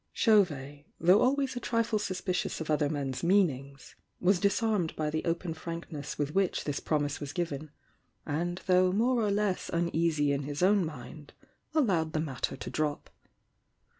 Chauvet, though always a trifle suspicious of other men's meanings, was disarmed by the open frankness with which this promise was given, and though more or less uneasy in his own mind, allowed the matter to drop.